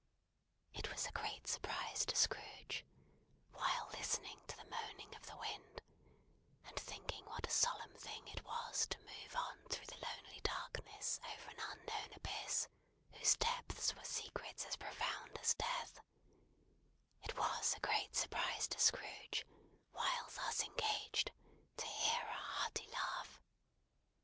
It was a great surprise to Scrooge, while listening to the moaning of the wind, and thinking what a solemn thing it was to move on through the lonely darkness over an unknown abyss, whose depths were secrets as profound as Death: it was a great surprise to Scrooge, while thus engaged, to hear a hearty laugh.